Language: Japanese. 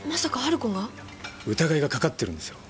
疑いがかかってるんですよ。